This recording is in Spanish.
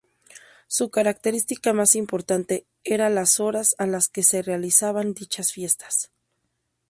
Su característica más importante era las horas a las que se realizaban dichas fiestas.